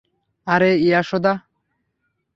আরে, ইয়াশোদা?